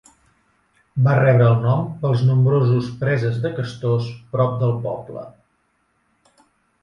Va rebre el nom pels nombrosos preses de castors prop del poble.